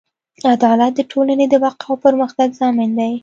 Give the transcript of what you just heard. عدالت د ټولنې د بقا او پرمختګ ضامن دی.